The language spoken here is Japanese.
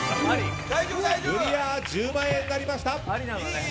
１０万円になりました！